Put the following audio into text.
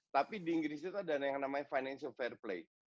tapi di inggris itu ada yang namanya financial fair play